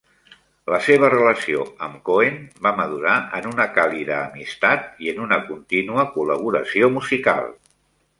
La seva relació amb Cohen va madurar en una càlida amistat i en una continua col·laboració musical.